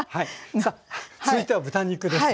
さあ続いては豚肉ですね。